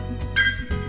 để trả cấp cho tâm lý